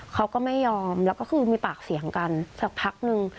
เขาก็ไม่ยอมแล้วก็คือมีปากเสียงกันสักพักนึง